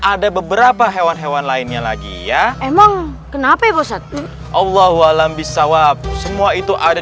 ada beberapa hewan hewan lainnya lagi ya emang kenapa bosat allahualambisawab semua itu ada